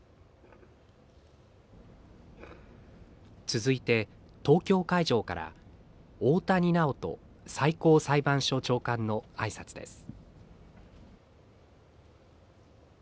続いて、東京会場から大谷直人最高裁判所長官の挨拶です。